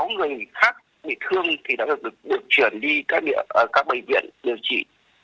một mươi sáu người khác bị thương thì đã được chuyển đi các bệnh viện điều trị